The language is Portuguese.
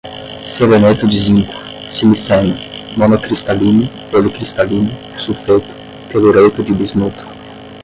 seleneto de zinco, siliceno, monocristalino, policristalino, sulfeto, telureto de bismuto